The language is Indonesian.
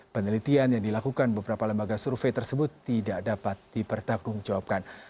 penelitian yang dilakukan beberapa lembaga survei tersebut tidak dapat dipertanggungjawabkan